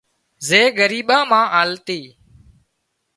زي ڳريٻان مان آلتي